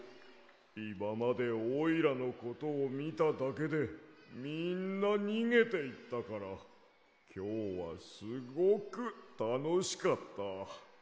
いままでおいらのことをみただけでみんなにげていったからきょうはすごくたのしかった。